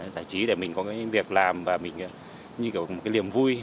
giải trí để mình có cái việc làm và mình như kiểu một cái niềm vui